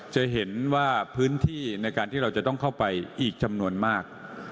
จะเห็นว่าพื้นที่ในการที่เราจะต้องเข้าไปอีกจำนวนมาก